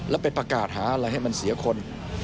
แล้วไปประกาศหาอะไรให้มันเสียคน